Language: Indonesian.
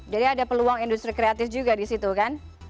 jadi ada peluang industri kreatif juga di situ kan